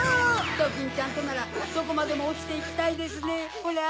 ドキンちゃんとならどこまでもおちていきたいですねホラ。